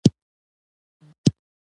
زموږ خلک د غلامۍ شپې ورځي تېروي